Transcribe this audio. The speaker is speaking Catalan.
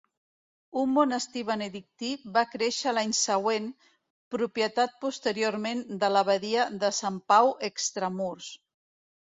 Un monestir benedictí va créixer l'any següent, propietat posteriorment de l'abadia de Sant Pau Extramurs.